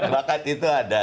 bakat itu ada